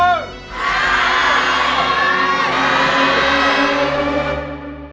สวัสดีครับ